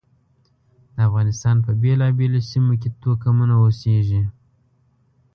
د افغانستان په بېلابېلو سیمو کې توکمونه اوسېږي.